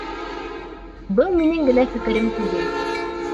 Был минең генә фекерем түгел.